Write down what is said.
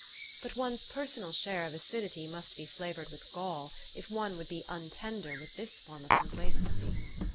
But one's personal share of acidity must be flavored with gall, if one would be untender with this form of complacency.